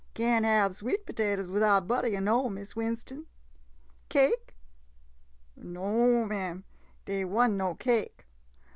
Can't hab sweet potaters widout buttah, yo' know, Miss Winston. Cake ?— no 'm, dey wa'n't no cake.